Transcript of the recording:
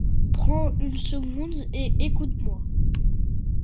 Prends une seconde et écoute-moi